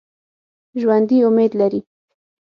ژوندي امید لري